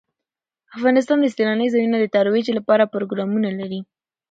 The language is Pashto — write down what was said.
افغانستان د سیلانی ځایونه د ترویج لپاره پروګرامونه لري.